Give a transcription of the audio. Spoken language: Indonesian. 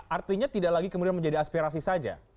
artinya tidak lagi kemudian menjadi aspirasi saja